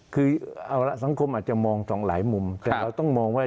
คือเอาละสังคมอาจจะมองสองหลายมุมแต่เราต้องมองว่า